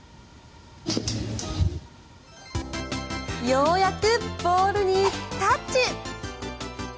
ようやくボールにタッチ！